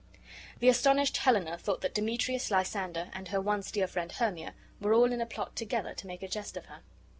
The astonished Helena thought that Demetrius, Lysander, and her once dear friend Hermia were all in a plot together to make a jest of her.